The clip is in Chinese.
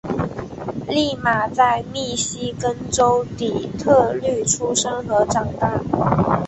俪玛在密西根州底特律出生和长大。